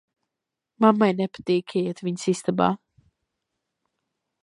Mammai nepatīk, ka iet viņas istabā.